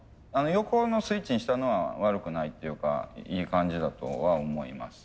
横のスイッチにしたのは悪くないっていうかいい感じだとは思います。